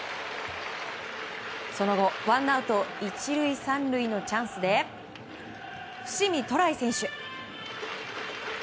その後、ワンアウト１塁３塁のチャンスで伏見寅威選手。